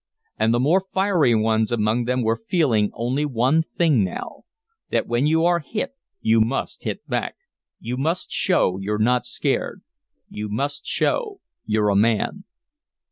And the more fiery ones among them were feeling only one thing now, that when you are hit you must hit back, you must show you're not scared, you must show you're a man.